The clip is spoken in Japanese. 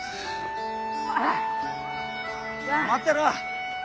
待ってろ！